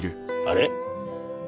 あれ？